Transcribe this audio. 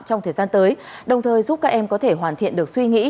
trong thời gian tới đồng thời giúp các em có thể hoàn thiện được suy nghĩ